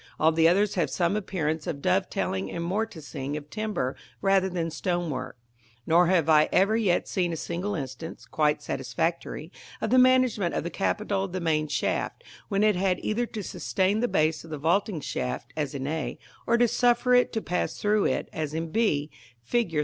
All the others have some appearance of dovetailing and morticing of timber rather than stonework; nor have I ever yet seen a single instance, quite satisfactory, of the management of the capital of the main shaft, when it had either to sustain the base of the vaulting shaft, as in a, or to suffer it to pass through it, as in b, Fig.